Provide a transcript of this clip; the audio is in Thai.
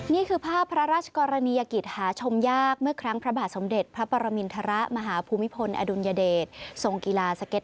นี่คือภาพพระราชกรณียกิจหาชมยากเมื่อครั้งพระบาทสมเด็จพระปรมินธระมหาภูมิพลอดุลยเดชน์ส่งกีฬาสเก็ตนักภูมิของพระราชกรรมนี้